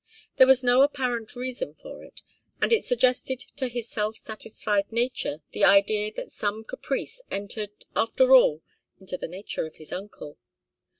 There was no apparent reason for it, and it suggested to his self satisfied nature the idea that some caprice entered, after all, into the nature of his uncle.